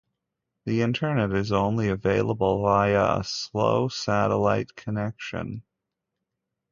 The internet is only available via a slow satellite connection.